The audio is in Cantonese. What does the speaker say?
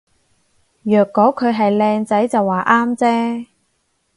若果佢係靚仔就話啱啫